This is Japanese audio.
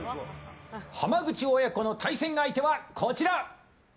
浜口親子の対戦相手はこちら。